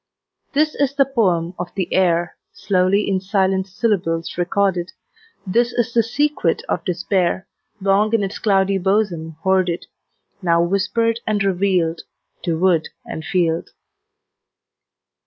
This is the poem of the air, Slowly in silent syllables recorded; This is the secret of despair, Long in its cloudy bosom hoarded, Now whispered and revealed To wood and field.